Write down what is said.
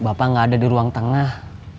bapak nggak ada di ruang tengah